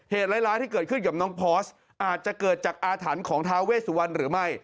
ร้ายที่เกิดขึ้นกับน้องพอร์สอาจจะเกิดจากอาถรรพ์ของท้าเวสุวรรณหรือไม่